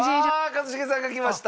一茂さんがきました。